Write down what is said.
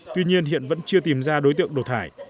tuy nhiên hiện vẫn chưa tìm ra đối tượng đổ thải